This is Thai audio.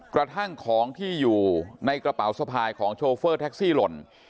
กระทั่งของที่อยู่ในกระเป๋าสะพายของโชเฟอร์แท็กซี่หล่น